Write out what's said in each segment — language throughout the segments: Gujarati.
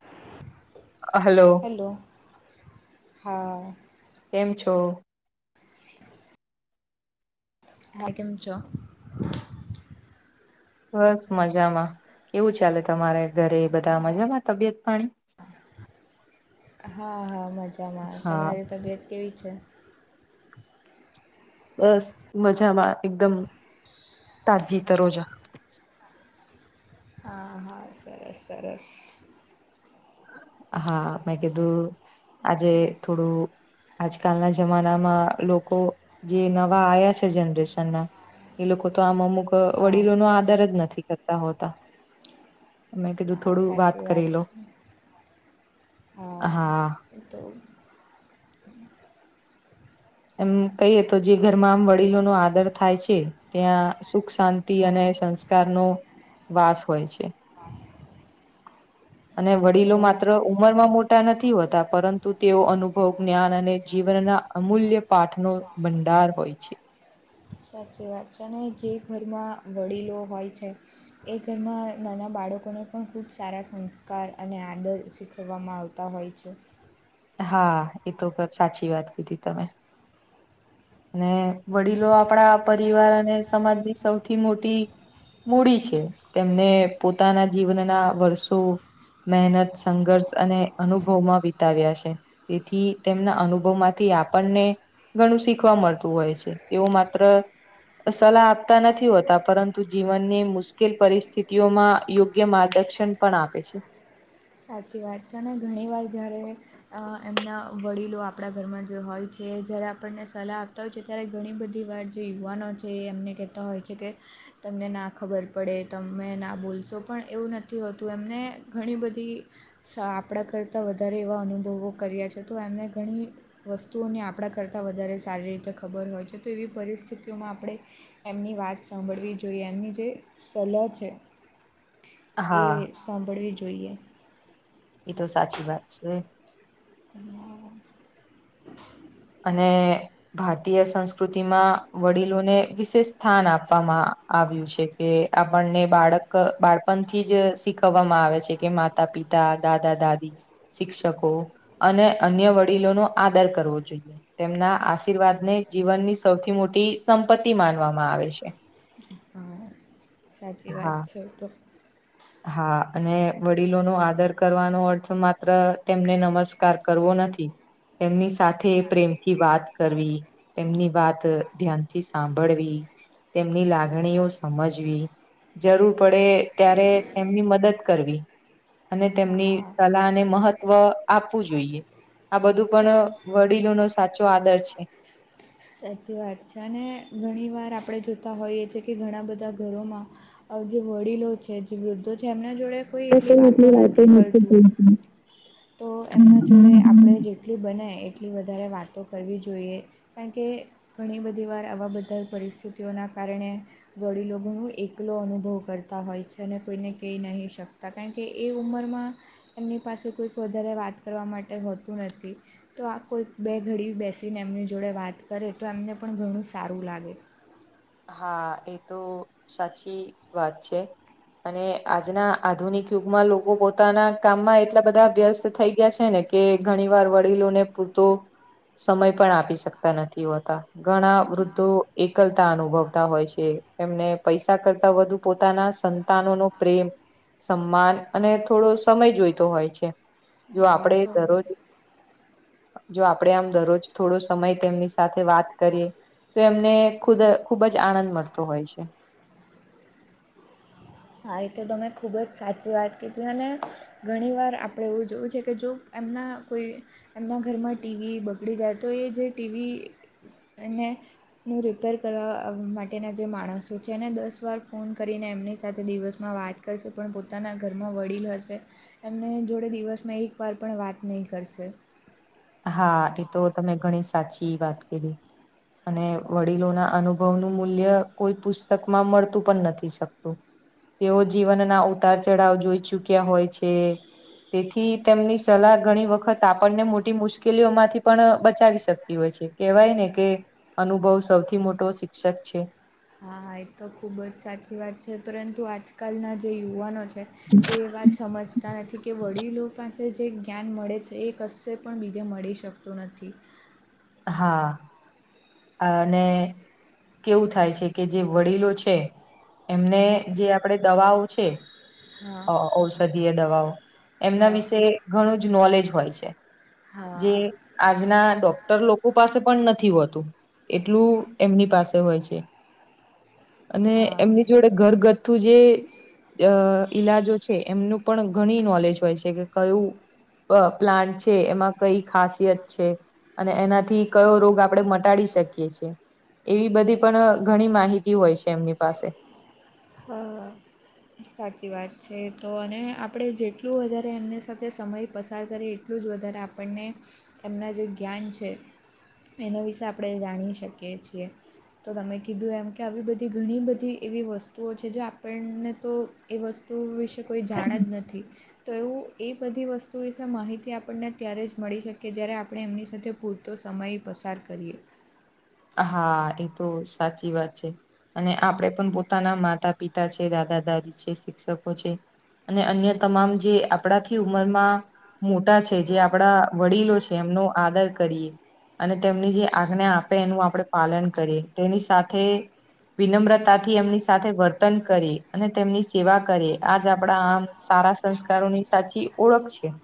તો- હલો. હા કેમ છો? હ, કેમ છો? બસ, મજામાં. કેવું ચાલે તમારે? ઘરે બધા મજામાં તબિયત પાણી? હા હા મજામાં. હા તમારી તબિયત કેવી છે? બસ મજામાં, એકદમ તાજી તરોજા. હા હા, સરસ સરસ. હા, મે કીધું આજે થોડું- આજકાલના જમાનામાં લોકો જે નવા આવ્યા છે. જનરેશનના એ લોકો તો આમ અમુક હા વડીલોનો આદર જ નથી કરતા હોતા. તમે કીધું હા થોડું વાત સાચી કરી લો. છે હા, એ તો એમ કહીએ તો જે ઘરમાં આમ વડીલોનો આદર થાય છે, ત્યાં સુખ શાંતિ અને હા સંસ્કારનો વાસ હોય છે. અને હા એ તો વડીલો તમે માત્ર ઉંમરમાં મોટા નથી હોતા. પરંતુ તેઓ અનુભવ જ્ઞાન અને જીવનના અમૂલ્ય પાઠનો ભંડાર હોય છે. સાચી વાત છે. અને જે ઘરમાં વડીલો હોય છે. એ ઘરમાં નાના બાળકોને પણ ખૂબ સારા સંસ્કાર અને આદર શીખવવામાં આવતો. તા હોય છે. હા, એ તો સાચી વાત કીધી તમે? અને વડીલો આપણા પરિવાર અને સમાજની સૌથી મોટી મૂડી છે. તેમને પોતાના જીવનના વર્ષો મહેનત સંઘર્ષ અને અનુભવમાં વિતાવ્યા છે. તેથી તેમના અનુભવમાંથી આપણને ગણું શી શીખવા મળતું હોય છે. એવું માત્ર સલાહ આપતા નથી હોતા. પરંતુ જીવનને મુશ્કેલ પરિસ્થિતિઓમાં યોગ્ય માર્ગદર્શન પણ આપે છે. સાચી વાત છે. અને ઘણી વાર જયારે અ એમના વડીલો આપણા ઘરમાં જે હોય છે, જ્યારે આપણને સલાહ આપ તો હોય છે, ત્યારે ઘણી બધી વાર જે યુવાનો છે. એમને કહેતા હોય છે કે તમને ના ખબર પડે, તમે ના બોલશો પણ એવું નથી હોતું. એમને ઘણી બધી સા આપણા કરતાં વધારે એવા અનુભવો કર્યા છે તો એમણે ઘણી વસ્તુઓને આપણા કરતાં વધારે સારી રીતે ખબર હોય છે, તો એવી પરિસ્થિતિઓમાં આપણે એમની વાત સાંભળવી જોઈએ. એમની જે સલાહ છે. એ હા સાંભળવી જોઈએ. એ તો સાચી વાત છે. હા. અને ભારતીય સંસ્કૃતિમાં વડીલોને વિશેષ સ્થાન આપવામાં આવ્યું છે કે આપણને બાળક બાળપણથી જ શીખવવામાં આવે છે કે માતા પિતા, દાદા દાદી. શિક્ષકો અને અન્ય વડીલોનો આદર કરવો જોઈએ. તેમના આશીર્વાદ ને જીવનની સૌથી મોટી સંપત્તિ માનવામાં આવે છે. હા સાચી વાત હા છે ઈ તો. હા. અને વડીલોનો આદર કરવાનો અર્થ માત્ર તેમને નમસ્કાર કરવો નથી. તેમની સાથે પ્રેમથી વાત કરવી. એમની વાત ધ્યાનથી સાંભળવી. તેમની લાગણીઓ સમજવી. જરૂર પડે ત્યારે તેમની મદદ કરવી. અને તેમની હા સલાહને મહત્વ આપવું જોઈએ. આ બધું સા પણ વડીલોનો સાચો આદર છે. સાચી વાત છે. અને ઘણી વાર આપણે જોતા હોઈએ છે કે ઘણા બધા ઘરોમાં જે વડીલો છે. જે વૃદ્ધો છે. એમના જોડે કોઈ એટલી વાતો નથી કરતું [unintelligible] તો એમના જોડે આપણે જેટલી બને એટલી વધારે વાતો કરવી જોઈએ. કારણ કે ઘણી બધી વાર આવા બધા પરિસ્થિતિઓના કારણે વડીલોનું એકલો અનુભવ કરતા હોય છે. અને કોઈને કેઈ નહીં શકે. કારણ કે એ ઉંમરમાં એમની પાસે કોઈક વધારે વાત કરવા માટે હોતું નથી. તો આ કોઈક બે ઘડી બેસીને એમની જોડે વાત કરે તો એમને પણ ઘણું સારું લાગે. હા એ તો સાચી વાત છે. અને આજના આધુનિક યુગમાં લોકો પોતાના કામમાં એટલા બધા વ્યસ્ત થઈ ગયા છે ને કે ઘણી વાર વડીલોને પૂરતો સમય પણ આપી શકતા નથી હોતા. ઘણા વૃદ્ધો એકલ તા અનુભવતા હોય છે. એમને પૈસા કરતા વધુ પોતાના સંતાનો નો પ્રેમ સન્માન અને થોડો સમય જોઈતો હોય છે. જો હા આપણેે તો દરરોજ જો આપડે આમ દરરોજ થોડો સમય તેમની સાથે વાત કરીએ. તો એમને ખુદ ખુબ જ આનંદ મળતો હોય છે. [inaudible] હા એ તો તમે ખૂબ જ સાચી વાત કીધી. અને ઘણીવાર આપણે એવું જોવું છે કે જો એમના કોઈ એમના ઘરમાં ટીવી બગડી જાય. તો એ જે ટીવી અને નુ રિપેર કરવા માટેના જે માણસો છે. એને દસ વાર ફોન કરીને એમ એની સાથે દિવસમાં વાત કરશે, પણ પોતાના ઘરમાં વડીલ હશે. એમને જોડે દિવસમાં એક વાર પણ વાત નઈ કરશે. હા, એ તો તમે ઘણી સાચી વાત કીધી. અને વડીલોના અનુભવનું મૂલ્ય કોઈ પુસ્તકમાં મળતું પણ નથી શકતું. તેઓ જીવનના ઉતાર ચઢાવ જોઈ ચુક્યા હોય છે. તેથી તેમની સલાહ ઘણી વખત આપણને મોટી મુશ્કેલીઓમાંથી પણ બચાવી શકતી હોય છે. કેવાય ને કે અનુભવ સૌથી મોટો શિક્ષક છે. હા હા એ તો ખૂબ જ સાચી વાત છે, પરંતુ આજકાલના જે યુવાનો છે. એ વાત સમજ તા નથી કે વડીલો પાસે જે જ્ઞાન મળે છે, એ કશે પણ બીજે મળી શકતું નથી. હા અને કેવું થાય છે કે જે વડીલો છે એમને હા જે આપણે દવાઓ છે, હા અ ઔષધીય દવાઓ. એમના હા વિશે ઘણું જ નોલેજ હોય છે. હા જે આજના ડોક ટર લોકો પાસે પણ નથી હોતું. એટલું એમની પાસે હોય છે. અને હા એમની જોડે ઘર ગથ્થુ જે અ ઈલાજો છે. એમનું પણ ઘણી નોલેજ હોય છે કે કયું અ પ્લાન્ટ છે, એમાં કઈ ખાસિયત છે. અને એનાથી કયો રોગ આપણેે મટાડી શકીએ છે. એવી બધી પણ ઘણી માહિતી હોય છે એમની પાસે. હા. સાચી વાત છે, તો અને આપણે જેટલું વધારે એમની સાથે સમય પસાર કરી એટલું જ વધારે આપણને એના જે જ્ઞાન છે. એના વિશે આપણે જાણી શકીએ છીએ. તો તમે કીધું એમ કે આવી બધી ઘણી બધી એવી વસ્ તુઓ છે જો આપણને તો એ વસ્તુ વિશે કોઈ જાણ જ નથી. તો એવું એ બધી વસ્તુ વિશે માહિતી આપણને અત્યારે જ મળી શકી જ્યારે આપણે એમની સાથે પૂછ તો સમય પસાર કરીએ. હા એ તો સાચી વાત છે. અને આપણેે પણ પોતાના માતા પિતા છે, દાદા દાદી છે, શિક્ષકો છે. અને અન્ય તમામ જે આપણાથી ઉંમરમાં મોટા છે જે આપડા વડીલો છે એમનો આદર કરીએ. અને તેમની જે આજ્ઞા આપે એનું આપણે પાલન કરીએ તેની સાથે વિનમ્રતા થી એમની સાથે વર્તન કરી અને તેમની સેવા કરીએ આજ આપણા આમ સારા સંસ્કારોની સાચી ઓળખ છે.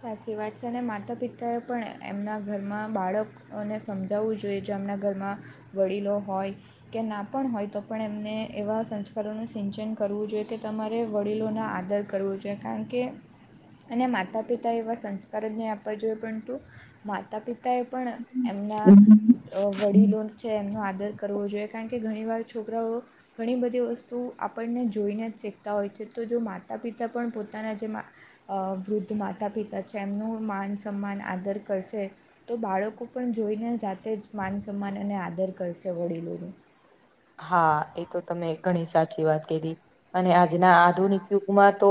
સાચી વાત છે અને માતા પિતાએ પણ એમના ઘરમાં બાળક અને સમજાવવું જોઈએ, જેમના ઘરમાં વડીલો હોય કે ના પણ હોય તો પણ એમને એવા સંસ્કારોનું સિંચન કરવું જોઈએ કે તમારે વડીલોના આદર કરવું જોઈએ. કારણ કે અને માતા પિતા એવા સંસ્કાર જ નહીં આપવા જોઈએ પરંતુ માતા પિ તાએ પણ એમના હમ અ વડીલોન છે એમનો આદર કરવો જોઈએ. કારણ કે ઘણીવાર છોકરાઓ ઘણી બધી વસ્તુ આપણને જોઈને જ શીખતા હોય છે તો જો માતા પિતા પણ પોતાના જે મા અ વૃદ્ધ માતા પિતા છે એમનું માન સમાન આદર કરશે તો બાળકો પણ જોઈને જાતે જ માન સન્માન અને આદર કરશે વડીલોનું હા એ તો તમે ઘણી સાચી વાત કી ધી અને આજના આધુનિક યુગમાં તો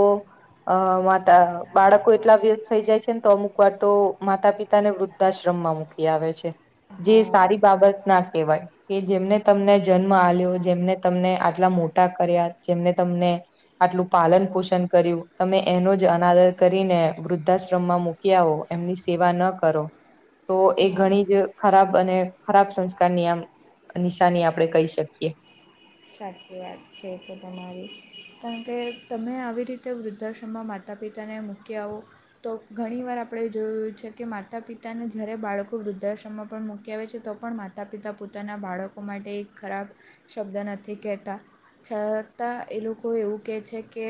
અ માતા બાળકો એટલા વ્યસ્ત થઇ જાય છે ને તો અમુક વાર તો માતા પિતા ને વૃદ્ધાશ્રમમાં મૂકી આવે છે જે હા સારી બાબત ના કવાય કે જેમને તમને જન્મ અલિયો જેમને તમને આટલા મોટા કર્યા જેમને તમને આટલું પાલન પોષણ કર્યું તમે એનો જ અનાદર કરીને વૃદ્ધાશ્રમમાં મૂકી આવો એમની સેવા ન કરો તો એ હા ઘણી જ ખરાબ અને ખરાબ સંસ્કારની આમ નિશાની આપ આપડણે કહી શકીએ સાચી વાત છે તો તમારી કારણ કે તમે આવી રીતે વૃદ્ધાશ્રમમાં માતા પિતાને મૂકી આવો તો ઘણીવાર આપણે જોયું છે કે માતા પિતાને જ્યારે બાળકો વૃદ્ધાશ્રમમાં પણ મૂકી આવે છે તો પણ માતા પિતા પોતાના બાળકો માટે એક ખરાબ શબ્દ નથી નથી કહેતા છતાં એ લોકો એવું કહે છે કે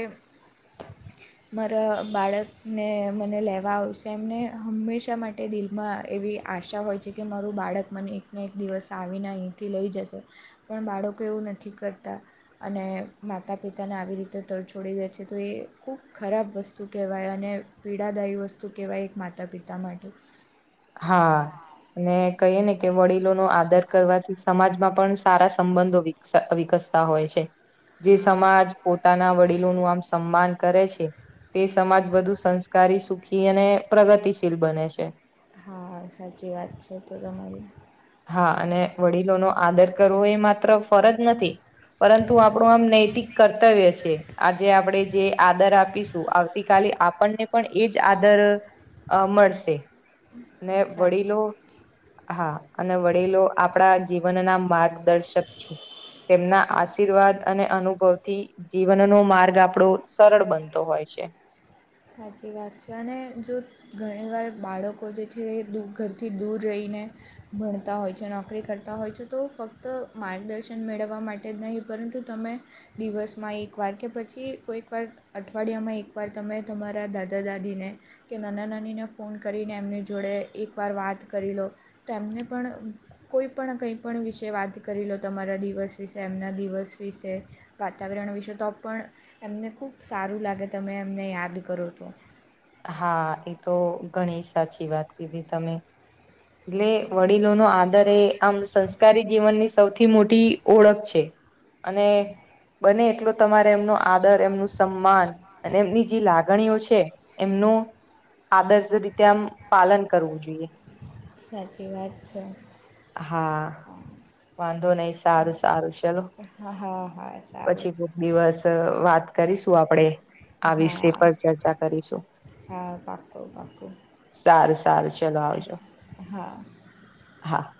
[inaudible] મારા બાળકને મને લેવા આવશે એમને હંમેશા માટે દિલમાં એવી આશા હોય છે કે મારું બાળક મને એકને એક દિવસ આવીને અહીંથી લઈ જશે પણ બાળકો એવું નથી કરતા અને માતા પિતાને આવી રીતે તરછોડી દે છે તો એ ખૂબ ખરાબ વસ્તુ કહેવાય અને પીડાદાયી વસ્તુ કહેવાય એક માતા પિતા માટે હા અને કહીએ ને કે વડીલોનોો આદર કરવાથી સમાજમાં પણ સારા સંબંધો વકસ વિકસતા હોય છે જે હા સમાજ પોતાના વડીલોનું આમ સન્માન કરે છે તે સમાજ વધુ સંસ્કારી સુખી અને પ્રગતિશીલ બને છે હા સાચી વાત છે તો તમારી હા અને વડીલોનો આદર કરવો એ માત્ર ફરજ નથી. પરંતુ આપણું આમ નૈતિક કર્તવ્ય છે કે આજે જે આપણેે આદર આપીશું તે તો આવતીકાલે આપણને પણ એજ આદર અમ મળશે અને વડીલો સાચું હા અને વડીલો આપણા જીવનના માર્ગ દર્શક છે તેમના આશીર્વાદ અને અનુભવથી જીવનનો માર્ગ આપણો સરળ બનતો હોય છે. સાચી વાત છે ને જો ઘણી વાર બાળકો જે છે એ દ ઘરથી દૂર રહીને ભણતા હોય છે અને નોકરી પણ કરતા હોય છે તો ફક્ત માર્ગદર્શન મેળવવા માટે જ નહીં પરંતુ તમે દિવસમાં એકવાર કે પછી કોઈકવાર અઠવાડિયામાં એકવાર તમે તમારા દાદા દાદીને કે નાના નાનીને ફોન કરીને એમની જોડે એકવાર વાત કરી લો તો એમને પણ કોઈ પણ કંઈ પણ વાત કરી લો તમારા દિવસ વિશે કે એમના દિવસ વિશે વાતાવરણ વિશે વાત કરો તો પણ એમને ખૂબ સારું લાગે છે જ્યારે તમે એમને યાદ કરો છો. હા એ તો ઘણી સાચી વાત કીધી તમે એટલે વડીલો નો આદર કરવો એ એક સંસ્કારી જીવનની સૌથી મોટી ઓળખ છે અને બને એટલો તમારે એમનો આદર કરવો જોઈએ, એમનું સન્માન કરવું જોઈએ અને એમની જે લાગણીઓ છે એમનું આદર્શ રીતે આમ પાલન કરવું જોઈએ. સાચી વાત છે. હા વાંધો નહીં સારું સારું ચલો હા હા હા સારું પછી કોક દિવસ વાત કરીશું આપડે આ વિષય હા પર ચર્ચા કરીશું. હા પાક્કું પાક્કું સારું સારું ચલો આવજો. હા. હા.